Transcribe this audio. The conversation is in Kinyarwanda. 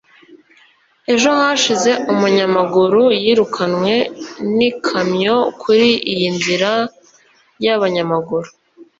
Ejo hashize umunyamaguru yirukanwe n'ikamyo kuri iyi nzira y'abanyamaguru.